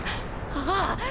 ああ！